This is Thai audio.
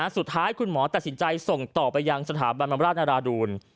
สุดท้ายคุณหมอตัดสินใจส่งต่อไปยังสถาบันบำราชนาราดูล